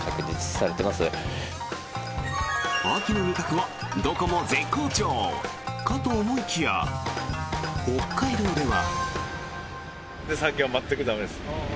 秋の味覚はどこも絶好調かと思いきや北海道では。